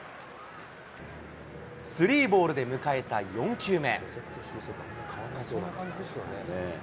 スリーボールで迎えた４球目。